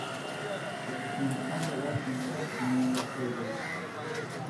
At the same time, the western platform was upgraded.